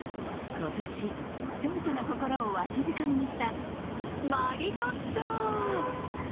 今年、人々の心をわしづかみにしたマリトッツォ。